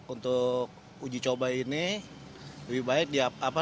untuk uji coba ini lebih baik dia